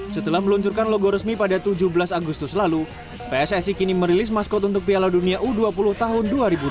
setelah meluncurkan logo resmi pada tujuh belas agustus lalu pssi kini merilis maskot untuk piala dunia u dua puluh tahun dua ribu dua puluh